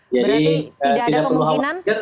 berarti tidak ada kemungkinan